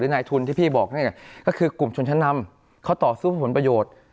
หรือในทุนที่พี่บอกนี่ก็คือกลุ่มชนชนำเขาต่อสู้ผลประโยชน์